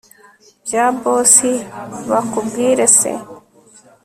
bya boss bakubwire se